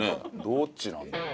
どっちなん